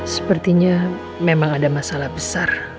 sepertinya memang ada masalah besar